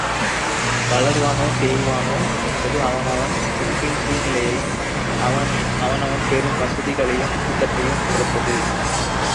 வளர்வானோ தேய்வானோ என்பது அவன் அவன், முன்பின் சூழ்நிலையையும் அவன் அவன் பெறும் வசதிகளையும் ஊக்கத்தையும் பொறுத்தது.